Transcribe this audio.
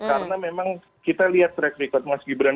karena memang kita lihat track record mas gibran